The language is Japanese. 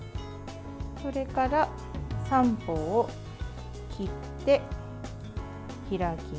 それから、三方を切って開きます。